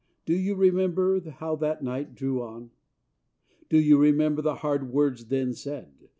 Do you remember how that night drew on? Do you remember the hard words then said?